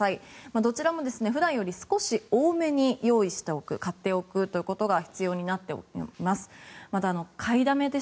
どちらも普段より少し多めに用意しておく買っておくことが必要になってきます。